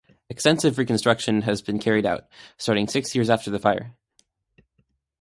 Extensive reconstruction has been carried out, starting six years after the fire.